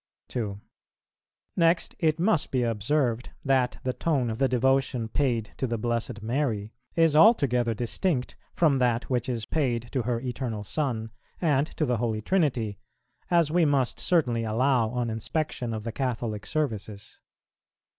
2. Next, it must be observed, that the tone of the devotion paid to the Blessed Mary is altogether distinct from that which is paid to her Eternal Son, and to the Holy Trinity, as we must certainly allow on inspection of the Catholic services.